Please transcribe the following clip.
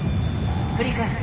繰り返す。